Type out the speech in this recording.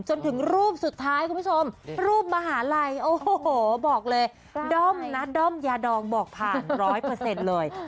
จนถึงรูปสุดท้ายคุณผู้ชมรูปมหาลัยโอ้โหบอกเลยด้อมนะด้อมยาดองบอกผ่านร้อยเปอร์เซ็นต์เลย